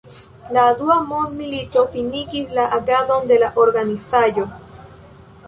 La Dua Mondmilito finigis la agadon de la organizaĵo.